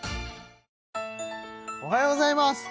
おはようございます